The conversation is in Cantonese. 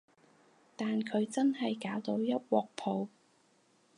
但佢真係搞到一鑊泡